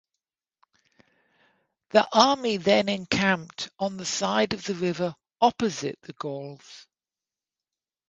The army then encamped on the side of the river opposite the Gauls.